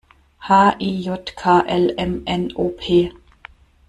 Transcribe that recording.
H-I-J-K-L-M-N-O-P!